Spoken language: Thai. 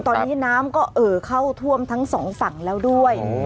ตอนนี้น้ำก็เอ่อเข้าท่วมทั้งสองฝั่งแล้วด้วย